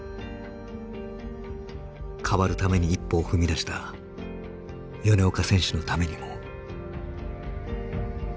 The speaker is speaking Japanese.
変わるために一歩を踏み出した米岡選手のためにも。